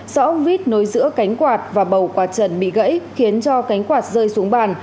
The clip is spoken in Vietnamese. do ông vít nối giữa cánh quạt và bầu quạt trần bị gãy khiến cho cánh quạt rơi xuống bàn